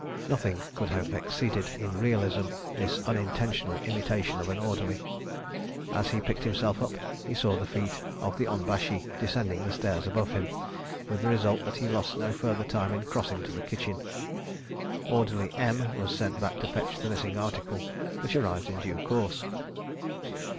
Nothing could have exceeded in realism this unintentional imitation of an orderly. As he picked himself up, he saw the feet of the onbashi descending the stairs above him, with the result that he lost no further time in crossing to the kitchen. Orderly M was sent back to fetch the missing article, which arrived in due course.